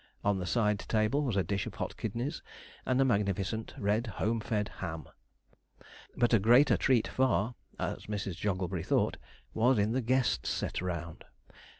On the side table was a dish of hot kidneys and a magnificent red home fed ham. But a greater treat far, as Mrs. Jogglebury thought, was in the guests set around.